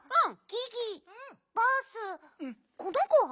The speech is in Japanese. この子は？